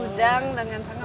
udang dengan cangkang